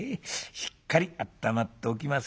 しっかりあったまっておきませんとね。